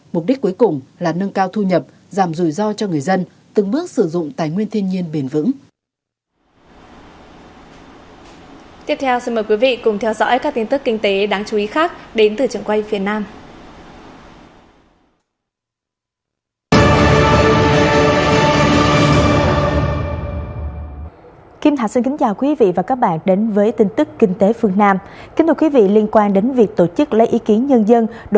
mục đích cuối cùng là nâng cao thu nhập giảm rủi ro cho người dân từng bước sử dụng tài nguyên thiên nhiên bền vững